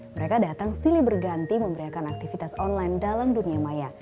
mereka datang silih berganti memberiakan aktivitas online dalam dunia maya